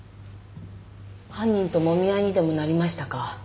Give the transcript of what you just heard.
犯人ともみ合いにでもなりましたか？